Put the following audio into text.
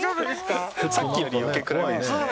さっきより余計暗いですね。